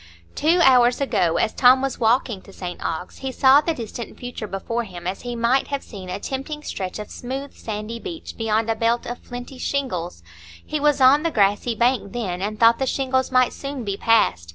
Two hours ago, as Tom was walking to St Ogg's, he saw the distant future before him as he might have seen a tempting stretch of smooth sandy beach beyond a belt of flinty shingles; he was on the grassy bank then, and thought the shingles might soon be passed.